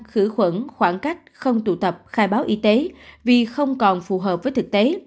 khử khuẩn khoảng cách không tụ tập khai báo y tế vì không còn phù hợp với thực tế